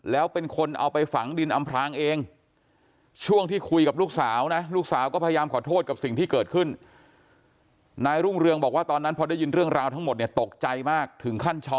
แล้วเป็นคนเอาไปฝังดินอำพรางเองช่วงที่คุยกับลูกสาวนะลูกสาวก็พยายามขอโทษกับสิ่งที่เกิดขึ้น